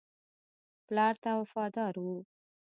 پلار ته وفادار وو.